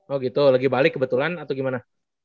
oh gitu lagi balik kebetulan atau gimana